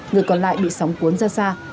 người còn lại bị sóng cuốn ra xa